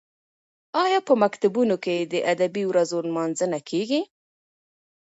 ایا په مکتبونو کې د ادبي ورځو لمانځنه کیږي؟